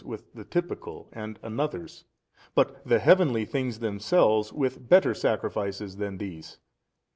with the typical and another's) but the heavenly things themselves with better sacrifices than these.